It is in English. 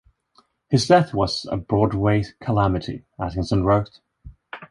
"His death was a Broadway calamity," Atkinson wrote.